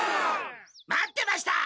待ってました！